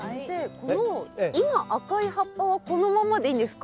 この今赤い葉っぱはこのままでいいんですか？